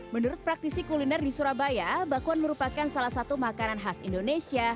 menurut praktisi kuliner di surabaya bakwan merupakan salah satu makanan khas indonesia